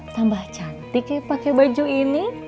tambah cantik ya pake baju ini